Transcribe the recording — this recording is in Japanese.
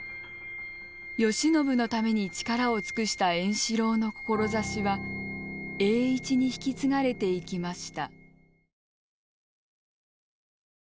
慶喜のために力を尽くした円四郎の志は栄一に引き継がれていきました。